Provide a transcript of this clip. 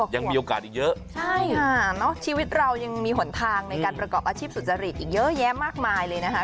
ยังมีโอกาสอีกเยอะใช่ค่ะเนอะชีวิตเรายังมีหนทางในการประกอบอาชีพสุจริตอีกเยอะแยะมากมายเลยนะคะ